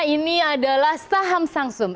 ini adalah saham samsung